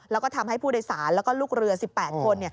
แล้วก็ทำให้ผู้โดยสารแล้วก็ลูกเรือ๑๘คน